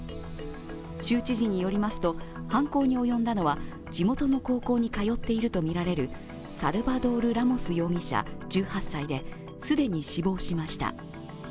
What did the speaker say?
州知事によりますと、犯行に及んだのは地元の学校に通っているとみられるサルバドール・ラモス容疑者１８歳で既に死亡しました。